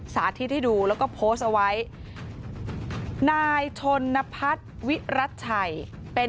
สาธิตให้ดูแล้วก็โพสต์เอาไว้นายชนนพัฒน์วิรัติชัยเป็น